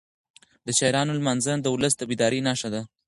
د شاعرانو لمانځنه د ولس د بیدارۍ نښه ده.